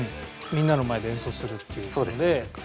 みんなの前で演奏するっていう事で。